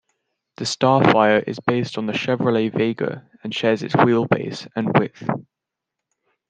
The Starfire is based on the Chevrolet Vega and shares its wheelbase and width.